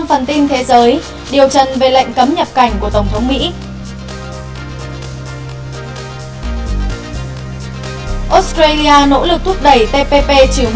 australia nỗ lực thúc đẩy tpp một